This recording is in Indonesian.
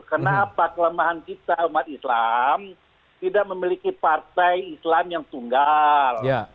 kenapa kelemahan kita umat islam tidak memiliki partai islam yang tunggal